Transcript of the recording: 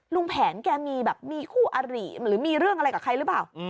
แผนแกมีแบบมีคู่อาริหรือมีเรื่องอะไรกับใครหรือเปล่า